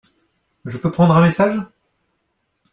Je peux prendre un message ?